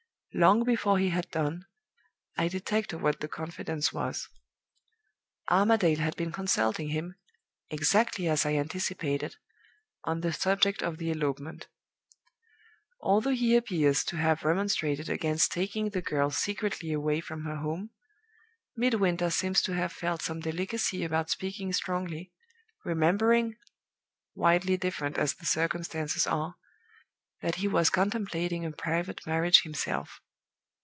Long before he had done, I detected what the confidence was. Armadale had been consulting him (exactly as I anticipated) on the subject of the elopement. Although he appears to have remonstrated against taking the girl secretly away from her home, Midwinter seems to have felt some delicacy about speaking strongly, remembering (widely different as the circumstances are) that he was contemplating a private marriage himself.